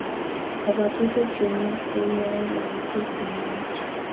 Kapwatutik che myach koiyei yaetik che myach